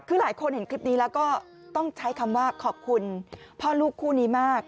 คือหลายคนเห็นคลิปนี้แล้วก็ต้องใช้คำว่าขอบคุณพ่อลูกคู่นี้มาก